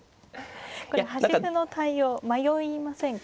これ端歩の対応迷いませんか？